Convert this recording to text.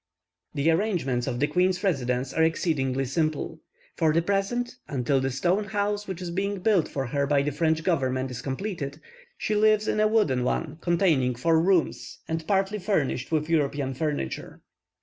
The arrangements of the queen's residence are exceedingly simple. For the present, until the stone house which is being built for her by the French government is completed, she lives in a wooden one containing four rooms, and partly furnished with European furniture.